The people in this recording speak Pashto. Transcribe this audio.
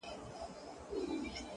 د شپې راګوري